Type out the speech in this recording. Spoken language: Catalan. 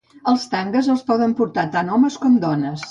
Els tangues els poden portar tant homes com dones.